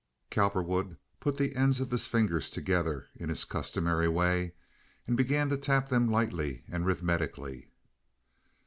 Cowperwood put the ends of his fingers together in his customary way and began to tap them lightly and rhythmically.